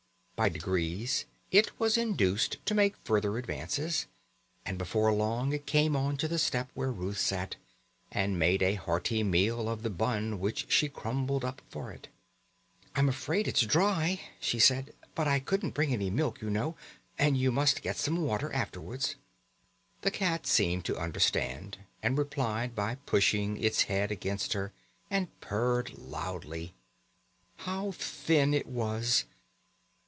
By degrees it was induced to make further advances, and before long to come on to the step where Ruth sat, and make a hearty meal of the bun which she crumbled up for it. "I'm afraid it's dry," she said; "but I couldn't bring any milk, you know, and you must get some water afterwards." The cat seemed to understand, and replied by pushing its head against her, and purred loudly. How thin it was!